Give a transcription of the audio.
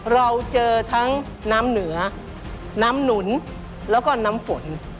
เราเจอทั้งน้ำเหนือน้ำหนุนแล้วก็น้ำฝน